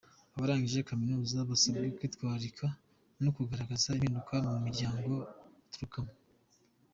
Abarangije Kaminuza basabwe kwitwararika no kugaragaza impinduka mu miryango baturukamo.